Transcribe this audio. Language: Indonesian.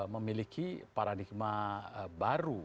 memiliki paradigma baru